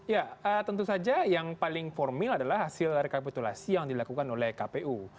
ya tentu saja yang paling formil adalah hasil rekapitulasi yang dilakukan oleh kpu